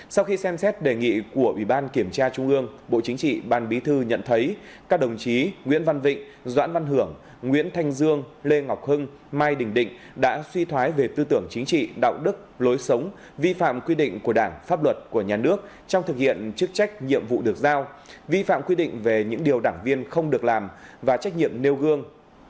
sau khi xem xét đề nghị của ủy ban kiểm tra trung ương bộ chính trị ban bí thư nhận thấy các đồng chí nguyễn văn vịnh doãn văn hưởng nguyễn thanh dương lê ngọc hưng mai đình định đã suy thoái về tư tưởng chính trị đạo đức lối sống vi phạm quy định của đảng pháp luật của nhà nước trong thực hiện chức trách nhiệm vụ được giao vi phạm quy định về những điều đảng viên không được làm và trách nhiệm nêu gương